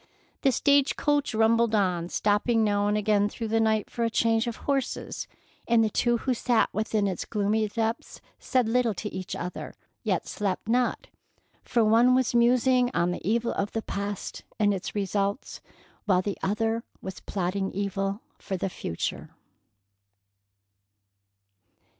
The stage coach rumbled on, stopping now and again through the night for a change of horses, and the two who sat within its gloomy depths said little to each other, yet slept not, for one was musing on the evil of the past and its results, while the other was plotting evil for the future.